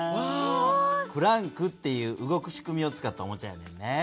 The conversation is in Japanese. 「クランク」っていう動く仕組みを使ったおもちゃやねんで。